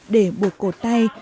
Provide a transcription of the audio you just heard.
để buộc cầu tay